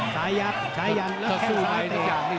สายยักษ์สายยันแล้วแค่ว้าเตรียม